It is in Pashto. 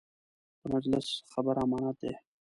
د مجلس خبره امانت دی.